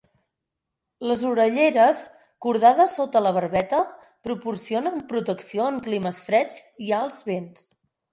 Les orelleres, cordades sota la barbeta, proporcionen protecció en climes freds i alts vents.